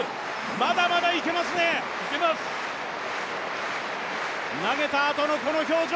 まだまだいけますね、投げたあとのこの表情。